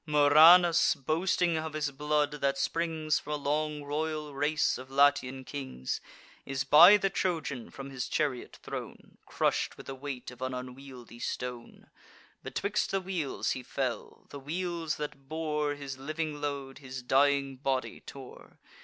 Murranus, boasting of his blood, that springs From a long royal race of Latian kings, Is by the Trojan from his chariot thrown, Crush'd with the weight of an unwieldy stone: Betwixt the wheels he fell; the wheels, that bore His living load, his dying body tore.